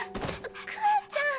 クーちゃん